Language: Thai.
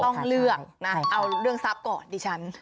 ต้องเลือกนะเอาเรื่องทรัพย์ก่อนดิฉัน